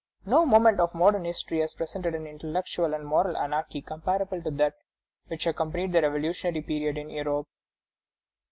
No moment of modern history has presented an intellectual and moral anarchy comparable to that which accompanied the revolutionary period in Europe."